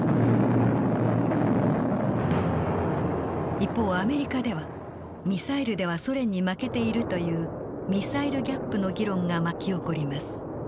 一方アメリカではミサイルではソ連に負けているというミサイル・ギャップの議論が巻き起こります。